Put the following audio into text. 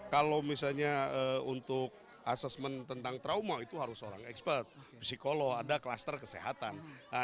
kalau misalnya untuk asesmen tentang trauma itu harus orang ekspert psikolog ada klaster kesehatan